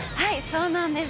そうなんです。